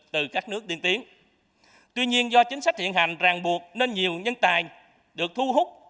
tuy nhiên do chính sách hiện hành ràng buộc nên nhiều nhân tài được thu hút